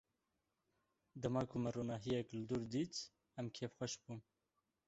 Dema ku me ronahiyek li dûr dît, em kêfxweş bûn.